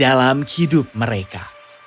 dalam hidup mereka